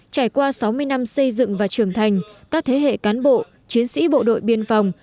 trải qua sáu mươi năm xây dựng và trưởng thành các thế hệ cán bộ chiến sĩ bộ đội biên phòng